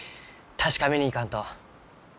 確かめに行かんと。